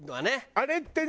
あれって何？